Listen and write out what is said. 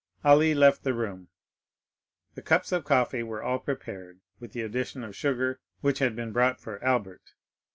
Ali left the room. The cups of coffee were all prepared, with the addition of sugar, which had been brought for Albert.